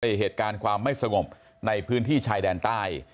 เหตุการณ์ความไม่สงบในพื้นที่ชายแดนใต้